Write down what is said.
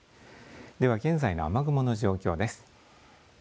では、現在の雨雲の状況です。